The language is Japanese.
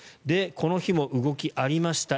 この日も動きがありました。